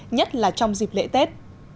nhất là trong dịp lễ tết